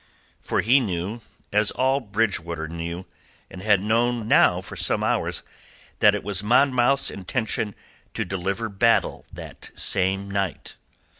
For he knew, as all Bridgewater knew and had known now for some hours, that it was Monmouth's intention to deliver battle that same night.